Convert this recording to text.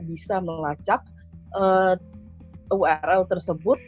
bisa melacak url tersebut